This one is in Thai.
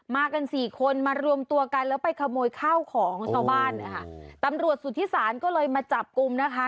กันสี่คนมารวมตัวกันแล้วไปขโมยข้าวของชาวบ้านนะคะตำรวจสุธิศาลก็เลยมาจับกลุ่มนะคะ